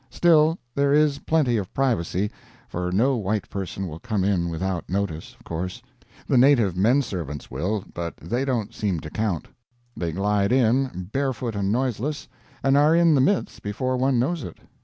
Still, there is plenty of privacy, for no white person will come in without notice, of course. The native men servants will, but they don't seem to count. They glide in, barefoot and noiseless, and are in the midst before one knows it.